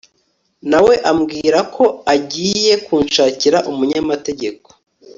nawe ambwirako agiye kunshakira umunyamategeko